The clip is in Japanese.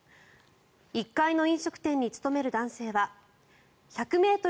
１階の飲食店に勤める男性は１００ｍ